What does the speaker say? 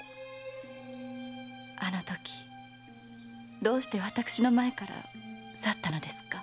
あのときどうして私の前から去ったのですか？